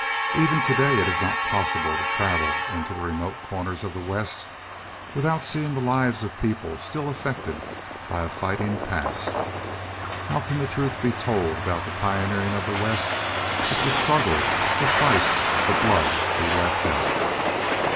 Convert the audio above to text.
Even to day it is not possible to travel into the remote corners of the West without seeing the lives of people still affected by a fighting past. How can the truth be told about the pioneering of the West if the struggle, the fight, the blood be left out?